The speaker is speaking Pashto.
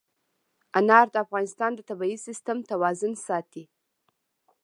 انار د افغانستان د طبعي سیسټم توازن ساتي.